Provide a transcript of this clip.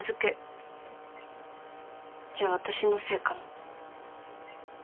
じゃあ私のせいかも。